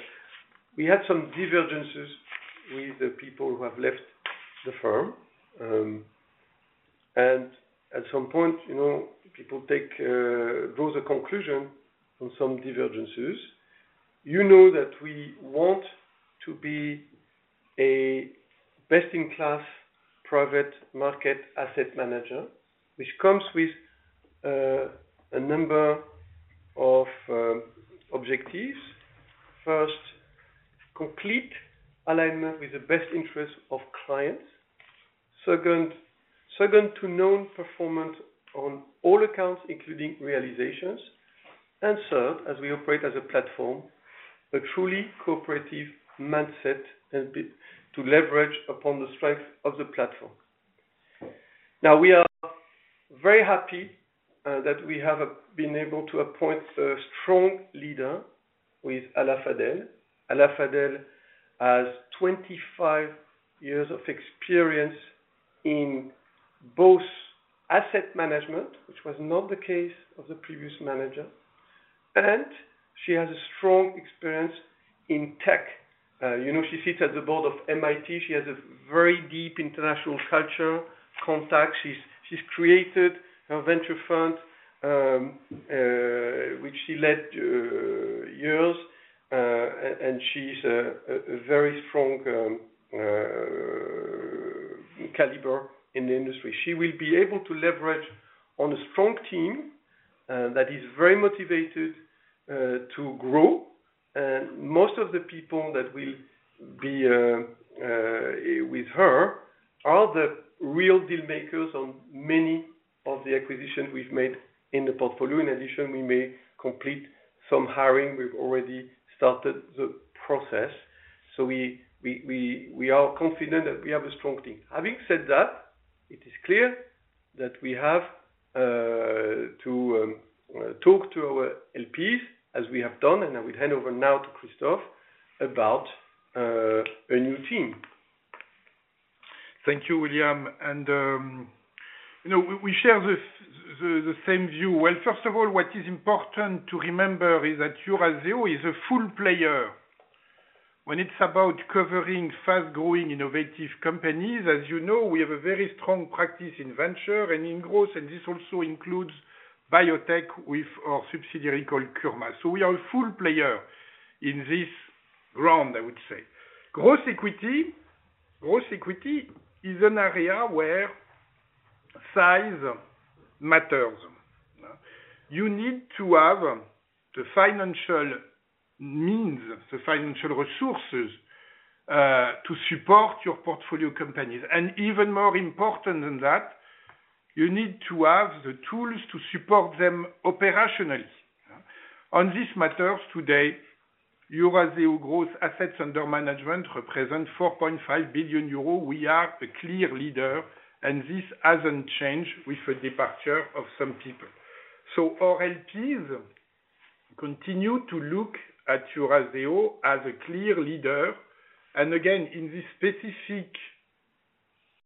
we had some divergences with the people who have left the firm. At some point, you know, people take, draw the conclusion on some divergences. You know that we want to be a best-in-class private market asset manager, which comes with a number of objectives. First, complete alignment with the best interest of clients. Second, to known performance on all accounts, including realizations. Third, as we operate as a platform, a truly cooperative mindset and to leverage upon the strength of the platform. We are very happy that we have been able to appoint a strong leader with Alain Favey. Alain Favey has 25 years of experience in both asset management, which was not the case of the previous manager, and she has a strong experience in tech. You know, she sits at the board of MIT. She has a very deep international culture contacts. She's created a venture fund, which she led years. She's a very strong caliber in the industry. She will be able to leverage on a strong team that is very motivated to grow. Most of the people that will be with her are the real deal makers on many of the acquisitions we've made in the portfolio. In addition, we may complete some hiring. We've already started the process, we are confident that we have a strong team. Having said that, it is clear that we have to talk to our LPs, as we have done, and I will hand over now to Christophe about a new team. Thank you, William. You know, we share the same view. Well, first of all, what is important to remember is that Eurazeo is a full player when it's about covering fast-growing, innovative companies. As you know, we have a very strong practice in venture and in growth, and this also includes biotech with our subsidiary called Kurma. We are a full player in this round, I would say. Growth equity is an area where size matters. You need to have the financial means, the financial resources to support your portfolio companies, and even more important than that, you need to have the tools to support them operationally. On these matters today, Eurazeo Growth assets under management represent 4.5 billion euros. We are a clear leader, and this hasn't changed with the departure of some people. Our LPs continue to look at Eurazeo as a clear leader. again, in this specific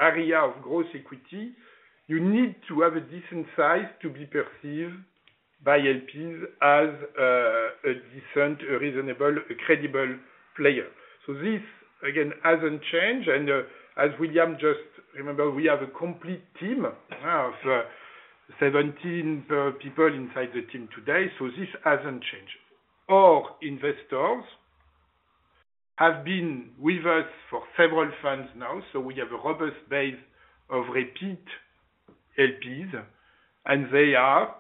area of growth equity, you need to have a decent size to be perceived by LPs as a decent, a reasonable, a credible player. This, again, hasn't changed. as William just remembered, we have a complete team of 17 people inside the team today, so this hasn't changed. Our investors have been with us for several funds now, so we have a robust base of repeat LPs, they are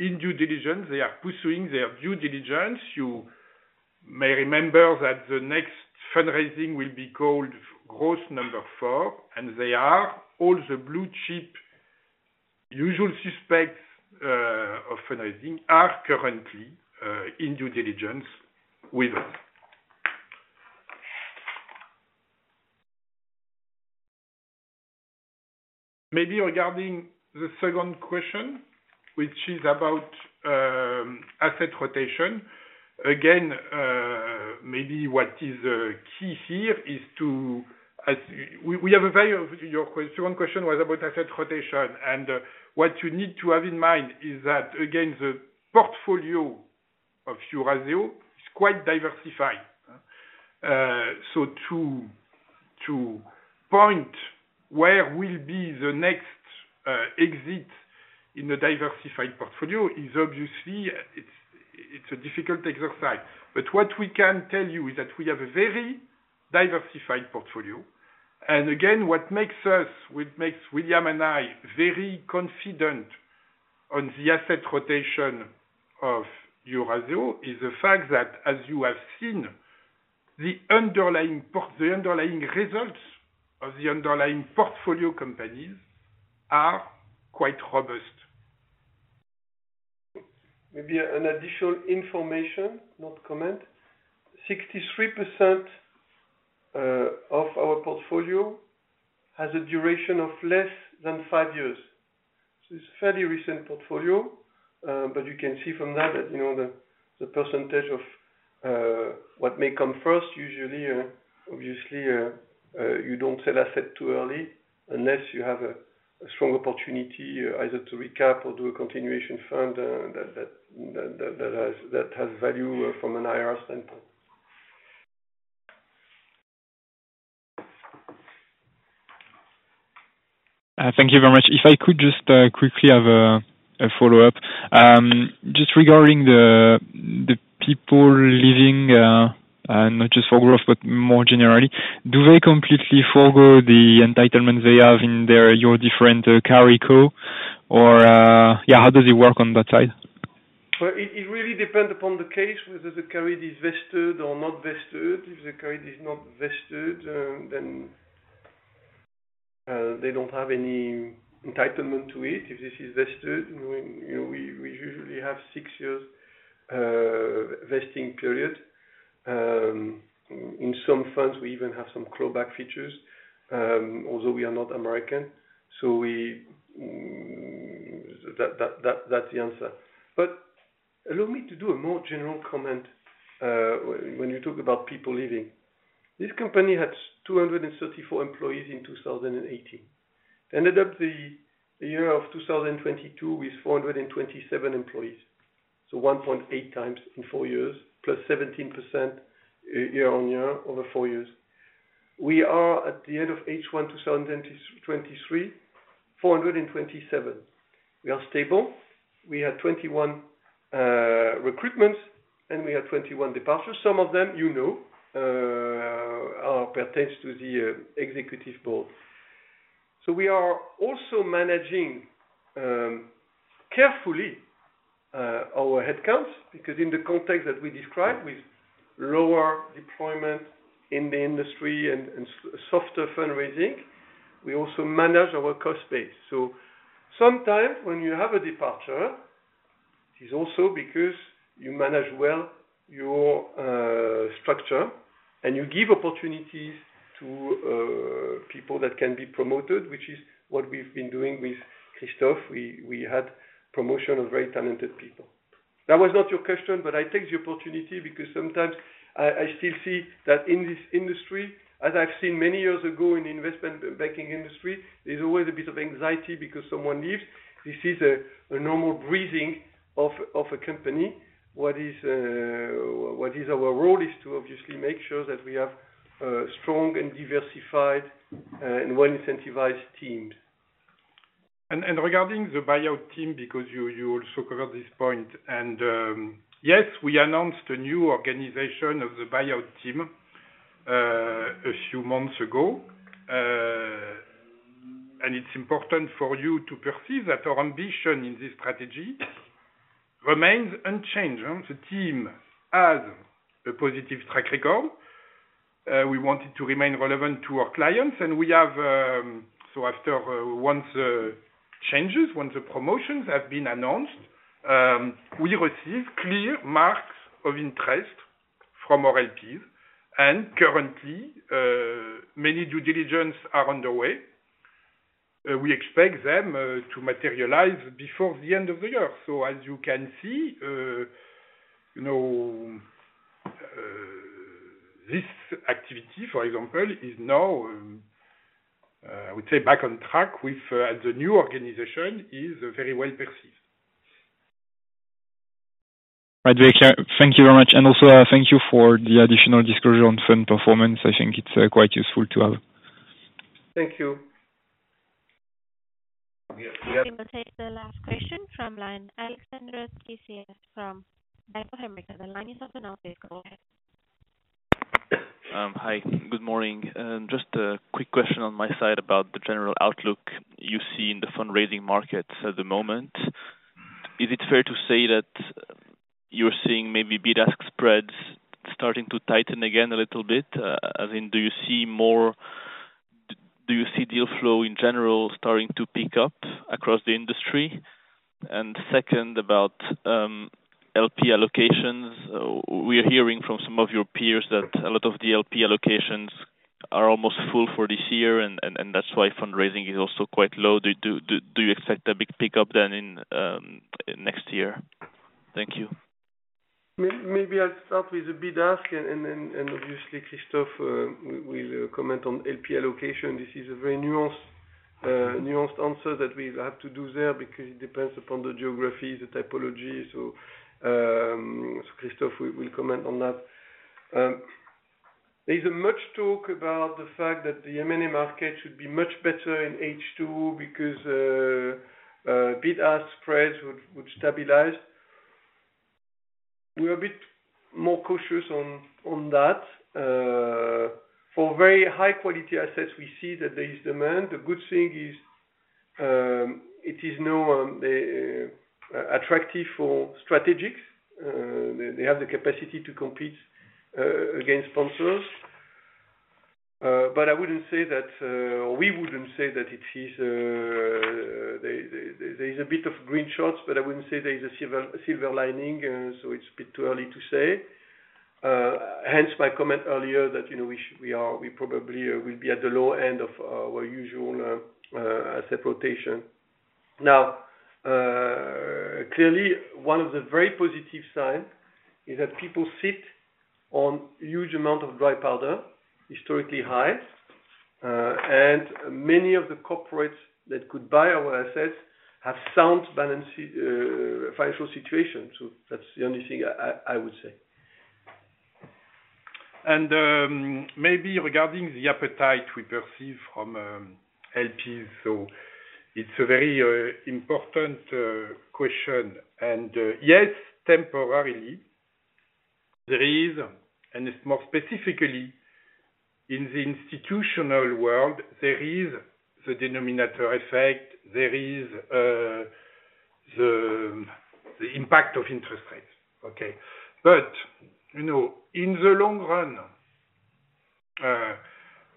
in due diligence. They are pursuing their due diligence. You may remember that the next fundraising will be called Growth number 4, they are all the blue chip. Usual suspects of fundraising are currently in due diligence with us. Maybe regarding the second question, which is about asset rotation. Again, maybe what is key here is to, as we have a very, your second question was about asset rotation, and what you need to have in mind is that, again, the portfolio of Eurazeo is quite diversified. So to point, where will be the next exit in a diversified portfolio is obviously, it's a difficult exercise. What we can tell you is that we have a very diversified portfolio. Again, what makes William and I very confident on the asset rotation of Eurazeo is the fact that, as you have seen, the underlying results of the underlying portfolio companies are quite robust. Maybe an additional information, not comment. 63% of our portfolio has a duration of less than 5 years. It's fairly recent portfolio, but you can see from that, you know, the percentage of what may come first, usually, obviously, you don't sell asset too early unless you have a strong opportunity either to recap or do a continuation fund, that has value from an IR standpoint. Thank you very much. If I could just quickly have a follow-up. Just regarding the people leaving, and not just for growth, but more generally. Do they completely forgo the entitlement they have in their, your different carry co, or yeah, how does it work on that side? Well, it really depends upon the case, whether the carry is vested or not vested. If the carry is not vested, they don't have any entitlement to it. If this is vested, you know, we usually have six years vesting period. In some funds, we even have some clawback features, although we are not American, we, that's the answer. Allow me to do a more general comment when you talk about people leaving. This company had 234 employees in 2018, ended up the year of 2022 with 427 employees. 1.8 times in four years, plus 17% year-on-year, over four years. We are at the end of H1 2023, 427 We are stable. We had 21 recruitments and we had 21 departures. Some of them, you know, pertains to the executive board. We are also managing carefully our headcounts, because in the context that we described with lower deployment in the industry and softer fundraising, we also manage our cost base. Sometimes when you have a departure, it's also because you manage well your structure, and you give opportunities to people that can be promoted, which is what we've been doing with Christoph. We had promotion of very talented people. That was not your question, but I take the opportunity because sometimes I still see that in this industry, as I've seen many years ago in the investment banking industry, there's always a bit of anxiety because someone leaves. This is a normal breathing of a company. What is our role is to obviously make sure that we have strong and diversified and well-incentivized teams. Regarding the buyout team, because you also covered this point, yes, we announced a new organization of the buyout team a few months ago. It's important for you to perceive that our ambition in this strategy remains unchanged, and the team has a positive track record. We want it to remain relevant to our clients, and we have, after once the changes, once the promotions have been announced, we receive clear marks of interest from our LPs. Currently, many due diligence are underway. We expect them to materialize before the end of the year. As you can see, you know, this activity, for example, is now I would say back on track with the new organization is very well perceived. Thank you very much. Also, thank you for the additional disclosure on fund performance. I think it's quite useful to have. Thank you. Thank you. The last question from line, Alexandre Ciechoski from Bank of America. The line is open now, please go ahead. Hi, good morning. Just a quick question on my side about the general outlook you see in the fundraising markets at the moment. Is it fair to say that you're seeing maybe bid-ask spreads starting to tighten again a little bit? I mean, do you see deal flow in general starting to pick up across the industry? Second, about LP allocations. We are hearing from some of your peers that a lot of the LP allocations are almost full for this year, and that's why fundraising is also quite low. Do you expect a big pickup then, in next year? Thank you. Maybe I'll start with the bid ask, and obviously Christophe will comment on LP allocation. This is a very nuanced answer that we'll have to do there, because it depends upon the geography, the typology. Christophe will comment on that. There's much talk about the fact that the M&A market should be much better in H2, because bid-ask spreads would stabilize. We're a bit more cautious on that. For very high quality assets, we see that there is demand. The good thing is, it is now attractive for strategics. They have the capacity to compete against sponsors. But I wouldn't say that, or we wouldn't say that it is... There is a bit of green shoots, but I wouldn't say there is a silver lining, so it's a bit too early to say. Hence my comment earlier that, you know, we are, we probably will be at the low end of our usual asset rotation. Now, clearly, one of the very positive sign is that people sit on huge amount of dry powder, historically high. Many of the corporates that could buy our assets, have sound balance sheet financial situation. That's the only thing I would say. Maybe regarding the appetite we perceive from LPs. It's a very important question. Yes, temporarily there is, and it's more specifically in the institutional world, there is the denominator effect, there is the impact of interest rates, okay. You know, in the long run,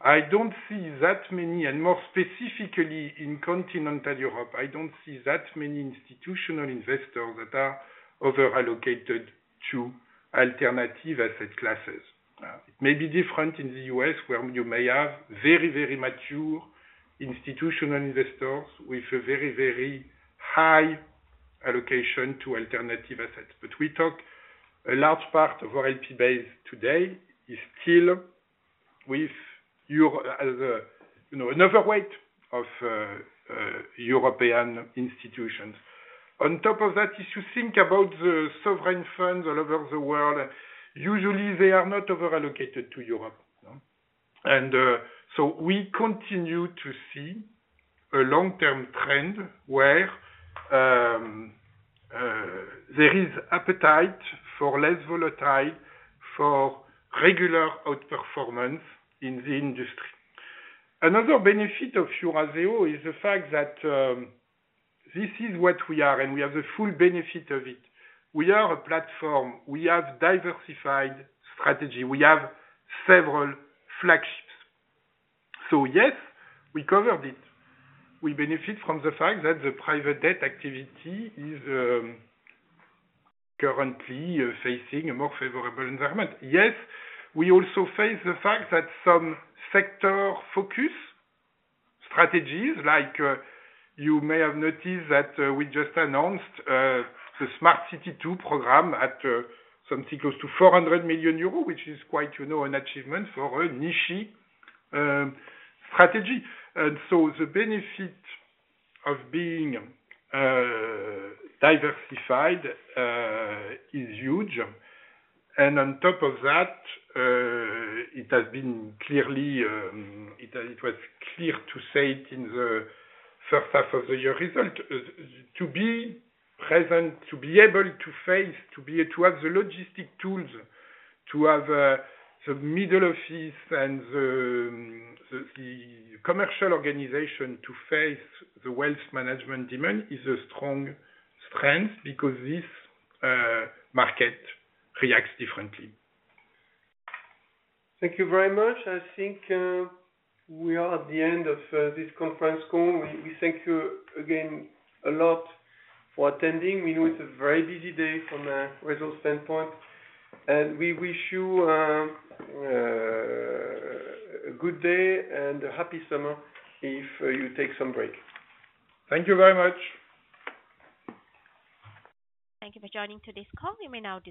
I don't see that many, and more specifically in continental Europe, I don't see that many institutional investors that are over-allocated to alternative asset classes. It may be different in the U.S. where you may have very, very mature institutional investors with a very, very high allocation to alternative assets. We talk, a large part of our LP base today is still with, you know, an overweight of European institutions. On top of that, if you think about the sovereign funds all over the world, usually they are not over-allocated to Europe. So we continue to see a long-term trend where there is appetite for less volatile, for regular outperformance in the industry. Another benefit of Eurazeo is the fact that this is what we are, and we have the full benefit of it. We are a platform. We have diversified strategy. We have several flagships. Yes, we covered it. We benefit from the fact that the private debt activity is currently facing a more favorable environment. Yes, we also face the fact that some sector-focused strategies, like, you may have noticed that, we just announced the Smart City 2 program at something close to 400 million euros, which is quite, you know, an achievement for a niche-y strategy. The benefit of being diversified is huge. On top of that, it has been clearly, it was clear to say it in the first half of the year result, to be present, to be able to face, to have the logistic tools, to have the middle office and the commercial organization to face the wealth management demand, is a strong strength, because this market reacts differently. Thank you very much. I think we are at the end of this conference call. We thank you again a lot for attending. We know it's a very busy day from a result standpoint. We wish you a good day and a happy summer, if you take some break. Thank you very much. Thank you for joining today's call. You may now disconnect.